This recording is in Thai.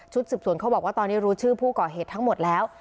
สืบสวนเขาบอกว่าตอนนี้รู้ชื่อผู้ก่อเหตุทั้งหมดแล้ว